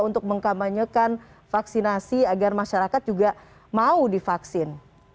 untuk mengkampanyekan vaksinasi agar masyarakat juga mau divaksin